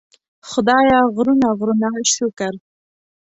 خدایه غرونه غرونه شکر.